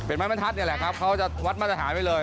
เป็นไม้บรรทัศน์นี่แหละครับเขาจะวัดมาตรฐานไว้เลย